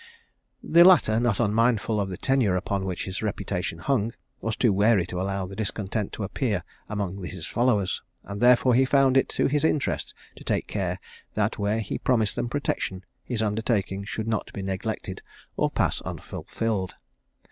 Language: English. The latter, not unmindful of the tenure upon which his reputation hung, was too wary to allow discontent to appear among his followers, and therefore he found it to his interest to take care that where he promised them protection, his undertaking should not be neglected or pass unfulfilled.